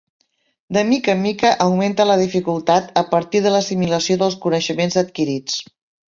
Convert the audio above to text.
De mica en mica augmenta la dificultat a partir de l'assimilació dels coneixements adquirits.